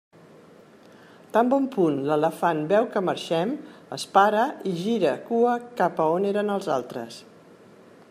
Tan bon punt l'elefant veu que marxem, es para i gira cua cap a on eren els altres.